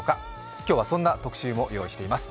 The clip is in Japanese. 今日はそんな特集も用意しています。